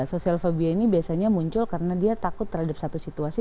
sosial fobia ini biasanya muncul karena dia takut terhadap satu situasi